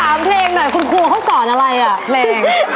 ถามเพลงหน่อยคุณครูเขาสอนอะไรอ่ะเพลง